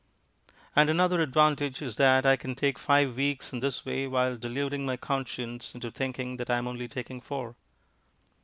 And another advantage is that I can take five weeks in this way while deluding my conscience into thinking that I am only taking four.